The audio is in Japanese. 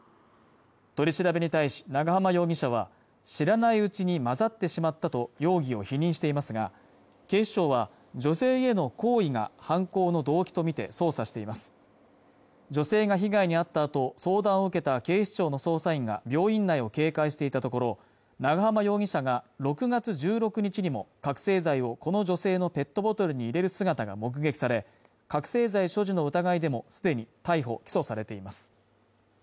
取り調べに対し長浜容疑者は知らないうちに混ざってしまったと容疑を否認していますが警視庁は女性への好意が犯行の動機とみて捜査しています女性が被害に遭ったと相談を受けた警視庁の捜査員が病院内を警戒していたところ長浜容疑者が６月１６日にも覚醒剤をこの女性のペットボトルに入れる姿が目撃され覚醒剤所持の疑いでも既に逮捕・起訴されています